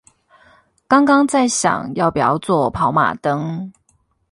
剛剛在想要不要做跑馬燈